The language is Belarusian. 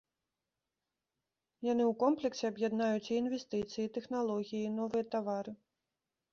Яны ў комплексе аб'яднаюць і інвестыцыі, і тэхналогіі, і новыя тавары.